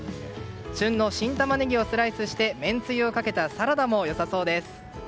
旬の新タマネギをスライスしてめんつゆをかけたサラダも良さそうです。